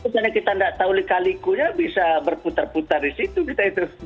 misalnya kita tidak tahu lika likunya bisa berputar putar di situ kita itu